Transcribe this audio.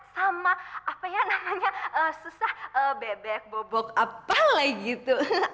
sama apa ya namanya susah bebek bobok apa lagi tuh